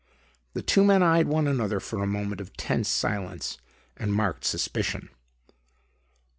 The two men eyed one another for a moment of tense silence, and marked suspicion.